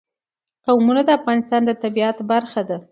قومونه د افغانستان د طبیعت برخه ده.